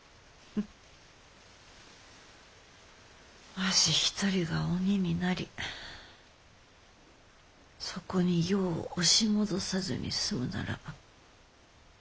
わし一人が鬼になりそこに世を押し戻さずに済むならば。